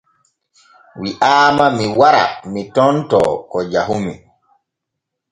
Wi’aama mi wara mi tontoo ko jahumi.